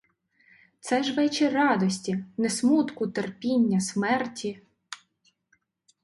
Це ж вечір радості — не смутку, терпіння, смерті!